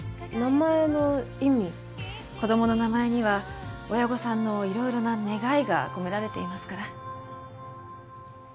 子どもの名前には親御さんのいろいろな願いが込められていますから。